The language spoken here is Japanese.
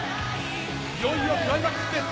いよいよクライマックスです。